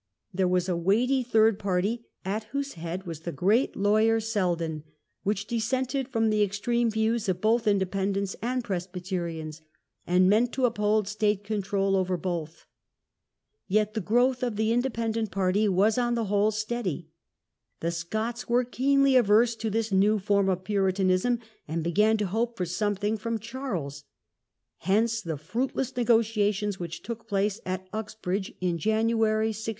There was a weighty third party, at whose head was the great lawyer Selden, which dissented from the extreme views of both Independents and Presbyterians, and meant to uphold state control over both. Yet the growth of the Independent party was on the whole steady. The Scots were keenly averse to this new form of Puritan ism, and began to hope for something from Charles; hence the fruitless negotiations which took place at Ux bridge in January, 1645.